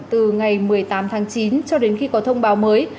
từ ngày một mươi tám tháng chín cho đến khi có thông báo mới